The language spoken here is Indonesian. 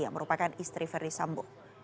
yang merupakan istri verdi sambo